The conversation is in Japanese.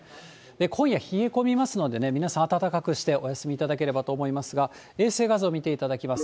今夜冷え込みますのでね、皆さん、暖かくしてお休みいただければと思いますが、衛星画像見ていただきます。